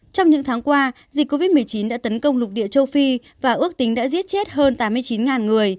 trong những tháng qua dịch covid một mươi chín đã tấn công lục địa châu phi và ước tính đã giết chết hơn tám mươi chín người